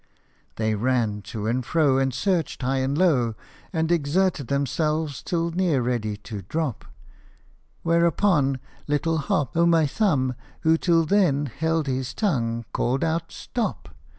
They ran to and fro, And searched high and low, And exerted themselves till near ready to drop, Whereupon little Hop O' my Thumb, who till then held his tongue, called out " Stop